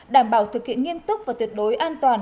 đảm bảo thực hiện nghiêm túc và tuyệt đối an toàn